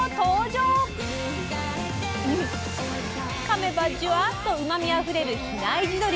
かめばジュワッとうまみあふれる比内地鶏。